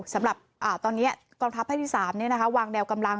สำหรับตอนนี้กองทัพภาคที่๓วางแนวกำลัง